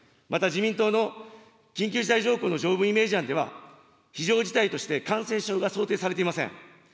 また自民党の緊急事態条項の条文イメージ案では、非常事態として感染症が想定されていません。